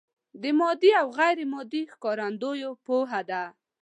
د مادي او غیر مادي ښکارندو پوهه ده.